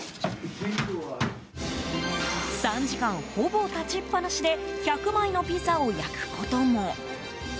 ３時間ほぼ立ちっぱなしで１００枚のピザを焼くことも。